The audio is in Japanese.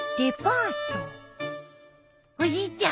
おじいちゃん